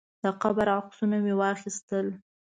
د قبر عکسونه مې واخیستل.